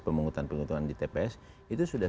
pemungutan penghutang di tps itu sudah